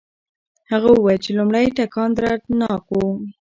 هغه وویل چې لومړی ټکان دردناک وي.